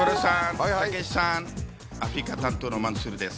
アフリカ担当のマンスールです。